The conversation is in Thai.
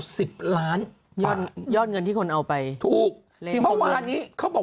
สิบล้านยอดยอดเงินที่คนเอาไปถูกเมื่อวานนี้เขาบอก